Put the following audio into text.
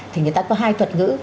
thì người ta có hai thuật ngữ